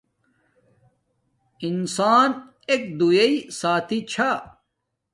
انسان ایک دوݵݵ ساتھی چھا